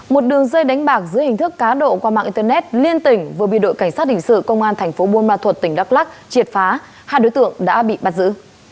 một đường dây đánh bạc dưới hình thức cá độ qua mạng internet liên tỉnh vừa bị đội cảnh sát hình sự công an thành phố buôn ma thuật tỉnh đắk lắc triệt phá hai đối tượng đã bị bắt giữ